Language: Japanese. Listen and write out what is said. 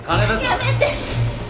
やめて！